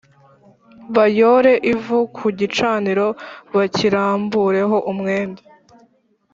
Bayore ivu ku gicaniro bakirambureho umwenda